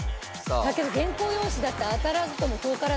「だけど原稿用紙だって当たらずとも遠からず」